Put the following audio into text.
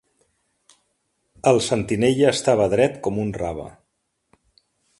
El sentinella estava dret com un rave.